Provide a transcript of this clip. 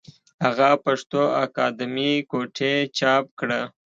هغه پښتو اکادمي کوټې چاپ کړه